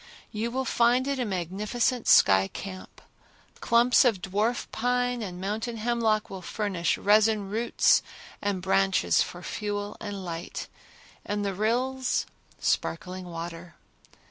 You will find it a magnificent sky camp. Clumps of dwarf pine and mountain hemlock will furnish resin roots and branches for fuel and light, and the rills, sparkling water.